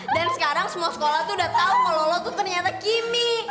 dan sekarang semua sekolah tuh udah tau kalau lo tuh ternyata kimi